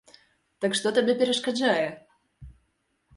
Так што табе перашкаджае?